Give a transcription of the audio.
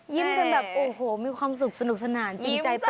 กันแบบโอ้โหมีความสุขสนุกสนานจริงใจไป